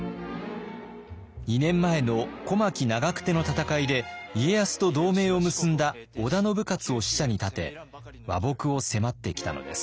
２年前の小牧・長久手の戦いで家康と同盟を結んだ織田信雄を使者に立て和睦を迫ってきたのです。